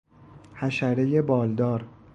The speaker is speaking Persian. حشرهی بالدار